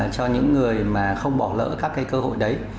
cho những người mà không bỏ lỡ các cái cơ hội đấy